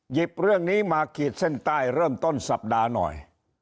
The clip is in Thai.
เรื่องนี้มาขีดเส้นใต้เริ่มต้นสัปดาห์หน่อย